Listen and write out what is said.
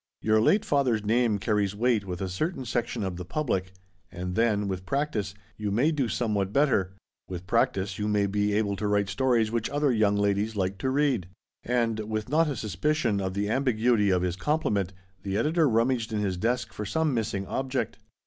Your late father's name carries weight with a certain section of the public. And then, with practice, you may do somewhat better. With practice you may be able to write stories which other young ladies will like to read." And with not a suspicion of the ambiguity of his compliment, the editor rummaged in his desk for some missing object.